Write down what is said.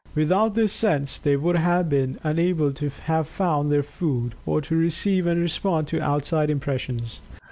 Without this sense they would have been unable to have found their food, or to receive and respond to outside impressions.